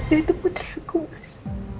itu putri aku mas